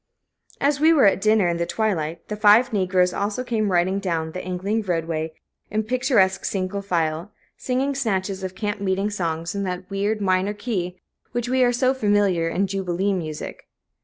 As we were at dinner, in the twilight, the five negroes also came riding down the angling roadway, in picturesque single file, singing snatches of camp meeting songs in that weird minor key with which we are so familiar in "jubilee" music.